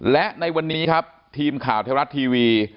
และในวันนี้ครับทีมข่าวไทยรัฐทีวี